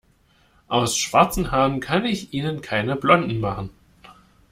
Aus schwarzen Haaren kann ich Ihnen keine blonden machen.